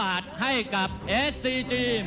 ท่านแรกครับจันทรุ่ม